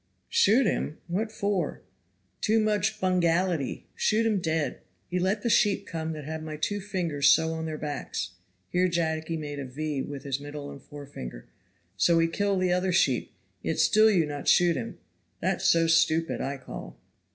"Shoot him! what for?" "Too much bungality,* shoot him dead. He let the sheep come that have my two fingers so on their backs;" here Jacky made a V with his middle and forefinger, "so he kill the other sheep yet still you not shoot him that so stupid I call."